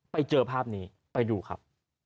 ไปเจอภาพนี้ไปดูครับ